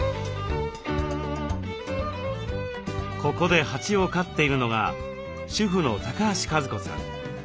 ここで蜂を飼っているのが主婦の橋和子さん。